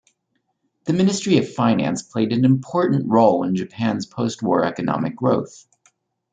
The Ministry of Finance played an important role in Japan's postwar economic growth.